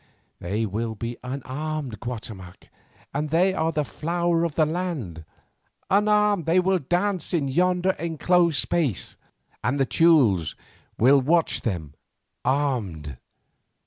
"They will be unarmed, Guatemoc, and they are the flower of the land. Unarmed they will dance in yonder enclosed space, and the Teules will watch them armed.